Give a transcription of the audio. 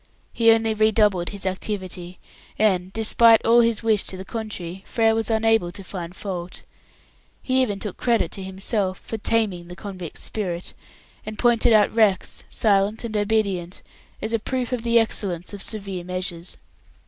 He only redoubled his activity, and despite all his wish to the contrary Frere was unable to find fault. He even took credit to himself for "taming" the convict's spirit, and pointed out Rex silent and obedient as a proof of the excellence of severe measures.